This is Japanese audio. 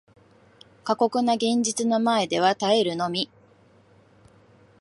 過酷な現実の前では耐えるのみ